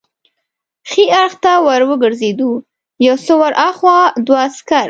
ښي اړخ ته ور وګرځېدو، یو څه ور هاخوا دوه عسکر.